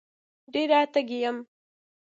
ډېره تږې یم